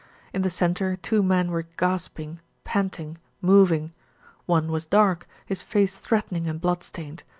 In the centre two men were gasping, pant ing, moving. One was dark, his face threatening and blood stained.